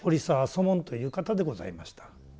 祖門という方でございました。